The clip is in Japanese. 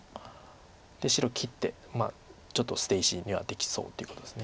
で白切ってちょっと捨て石にはできそうということです。